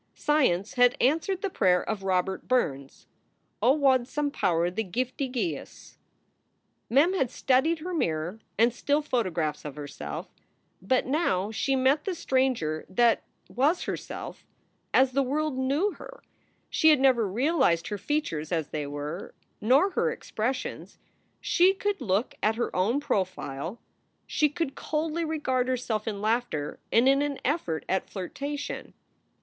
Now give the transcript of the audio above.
Science had answered the prayer of Robert Burns, "Oh, wad some power the giftie gie us." Mem had studied her mirror and still photographs of herself, but now she met the stranger that was herself as the SOULS FOR SALE 213 world knew her. She had never realized her features as they were; nor her expressions. She could look at her own profile. She could coldly regard herself in laughter and in an effort at flirtation.